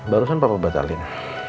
barusan papa batalin